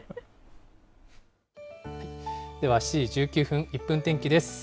では、７時１９分、１分天気です。